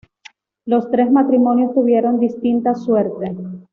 Los tres matrimonios tuvieron distinta suerte.